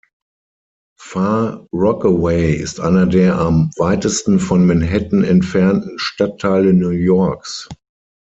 Far Rockaway ist einer der am weitesten von Manhattan entfernten Stadtteile New Yorks.